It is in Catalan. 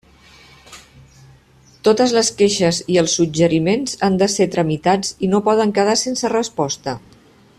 Totes les queixes i els suggeriments han de ser tramitats i no poden quedar sense resposta.